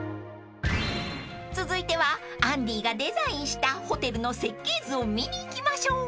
［続いてはアンディがデザインしたホテルの設計図を見に行きましょう］